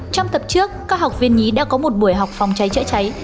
trong tập trước các học viên nhí đã có một buổi học phòng cháy chữa cháy